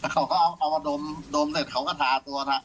เขาก็เอามาดมเสร็จเขาก็ทาตัวทา